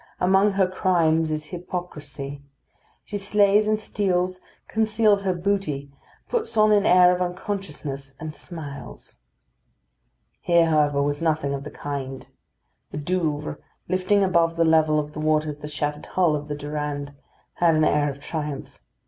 Among her crimes is hypocrisy. She slays and steals, conceals her booty, puts on an air of unconsciousness, and smiles. Here, however, was nothing of the kind. The Douvres, lifting above the level of the waters the shattered hull of the Durande, had an air of triumph.